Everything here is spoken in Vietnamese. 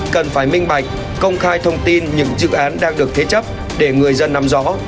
cần phải minh bạch công khai thông tin những dự án đang được thế chấp để người dân nắm rõ